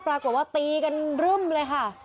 ปรากฏว่าตีกันรึ่มเลยค่ะ